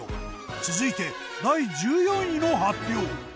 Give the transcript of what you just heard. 続いて第１４位の発表。